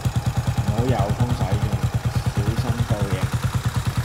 唔好有風使盡 𢃇， 小心報應